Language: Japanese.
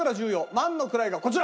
万の位がこちら！